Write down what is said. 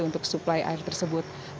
untuk suplai air tersebut